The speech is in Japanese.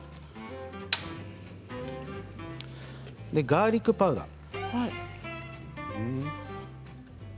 ガーリックパウダー。